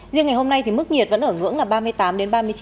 riêng ngày hôm nay thì mức nhiệt vẫn ở ngưỡng là ba mươi tám ba mươi chín độ